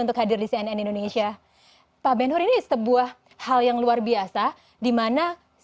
kota yang unik